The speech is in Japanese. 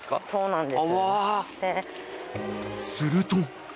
［すると］